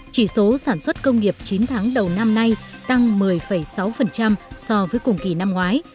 chỉ số sản xuất công nghiệp chín tháng đầu năm nay tăng một mươi sáu so với cùng kỳ năm ngoái